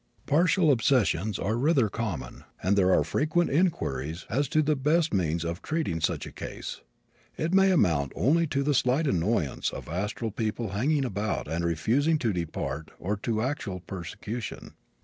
Partial obsessions are rather common and there are frequent inquiries as to the best means of treating such a case. It may amount only to the slight annoyance of astral people hanging about and refusing to depart or to actual persecution.